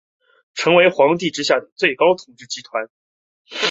成为皇帝之下的最高统治集团。